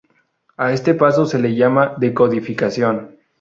A este paso se le llama decodificación.